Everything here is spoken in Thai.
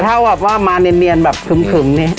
แต่ถ้าว่าว่ามาเงียนเงียนแบบขึ้มนี่อืม